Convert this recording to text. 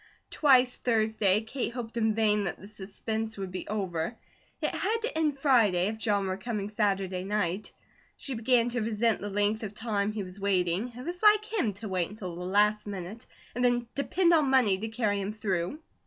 Twice Thursday, Kate hoped in vain that the suspense would be over. It had to end Friday, if John were coming Saturday night. She began to resent the length of time he was waiting. It was like him to wait until the last minute, and then depend on money to carry him through.